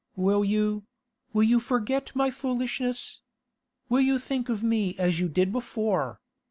Will you—will you forget my foolishness? Will you think of me as you did before?